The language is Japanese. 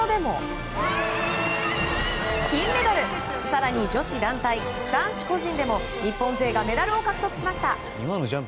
更に女子団体、男子個人でも日本勢がメダルを獲得しました。